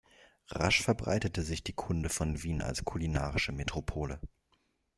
Rasch verbreitete sich die Kunde von Wien als kulinarischer Metropole.